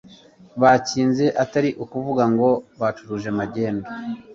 bacyize atari ukuvuga ngo bacuruje magendu